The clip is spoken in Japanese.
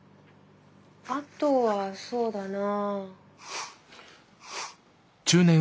あとはそうだな。